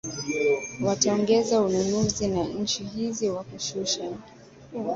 wataongeza ununuzi na chini hizi kwa kushusha